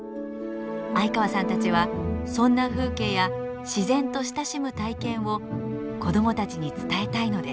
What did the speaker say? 相川さんたちはそんな風景や自然と親しむ体験を子どもたちに伝えたいのです。